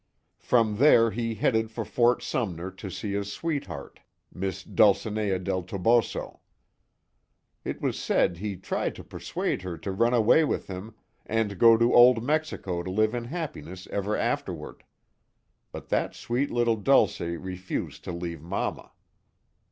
From there he headed for Fort Sumner to see his sweetheart, Miss Dulcinea del Toboso. It was said he tried to persuade her to run away with him, and go to old Mexico to live in happiness ever afterward. But that sweet little Dulce refused to leave mamma.